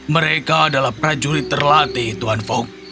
mereka adalah prajurit terlatih tuan fog